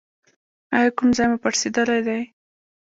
ایا کوم ځای مو پړسیدلی دی؟